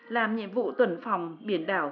làm nhiệm vụ tuần phòng biển đảo